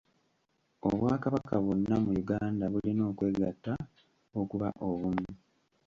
Obwakabaka bwonna mu Uganda bulina okwegatta okuba obumu.